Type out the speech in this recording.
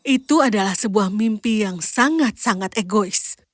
itu adalah sebuah mimpi yang sangat sangat egois